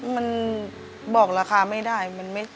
มันบอกราคาไม่ได้มันไม่